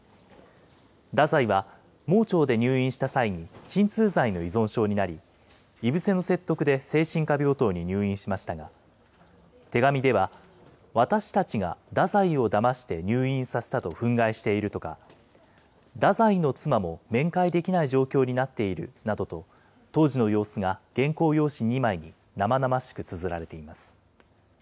太宰は、盲腸で入院した際に鎮痛剤の依存症になり、井伏の説得で精神科病棟に入院しましたが、手紙では、私たちが太宰をだまして入院させたと憤慨しているとか、太宰の妻も面会できない状況になっているなどと、当時の様子が原稿用紙２枚に生々しくつづられています。